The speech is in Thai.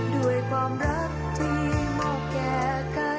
ด้วยความรักที่เหมาะแก่กัน